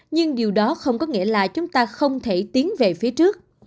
nhưng điều đó không có nghĩa là chúng ta không thể tiến về phía trước